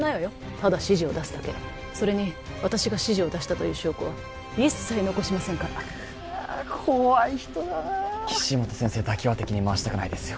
ただ指示を出すだけそれに私が指示を出したという証拠は一切残しませんからかあ怖い人だな岸本先生だけは敵に回したくないですよ